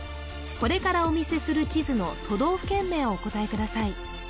これからお見せする地図の都道府県名をお答えください